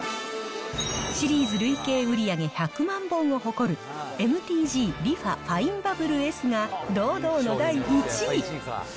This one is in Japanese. シリーズ累計売上１００万本を誇る、ＭＴＧ、リファファインバブルＳが堂々の第１位。